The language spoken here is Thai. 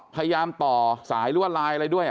พยายามต่อสายรั่วลายอะไรด้วย